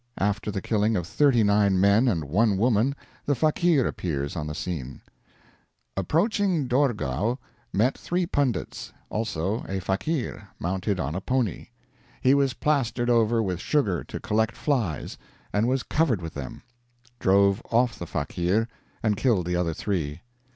After the killing of thirty nine men and one woman, the fakeer appears on the scene: "Approaching Doregow, met 3 pundits; also a fakeer, mounted on a pony; he was plastered over with sugar to collect flies, and was covered with them. Drove off the fakeer, and killed the other three.